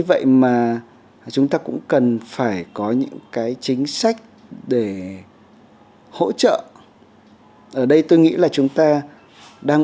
vậy mà chúng ta cũng cần phải có những cái chính sách để hỗ trợ ở đây tôi nghĩ là chúng ta đang